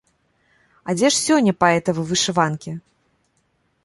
А дзе ж сёння паэтавы вышыванкі?